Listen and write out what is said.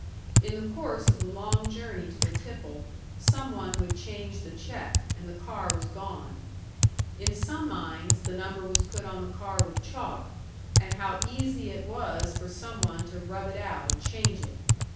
In the course of the long journey to the tipple, some one would change the check, and the car was gone. In some mines, the number was put on the car with chalk; and how easy it was for some one to rub it out and change it!